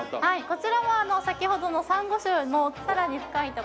こちらは先ほどのサンゴ礁のさらに深い所。